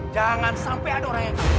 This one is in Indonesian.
jangan sampai ada orang yang tahu